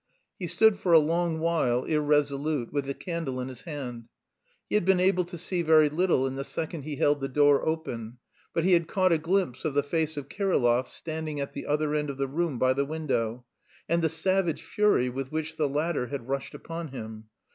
He stood for a long while irresolute, with the candle in his hand. He had been able to see very little in the second he held the door open, but he had caught a glimpse of the face of Kirillov standing at the other end of the room by the window, and the savage fury with which the latter had rushed upon him.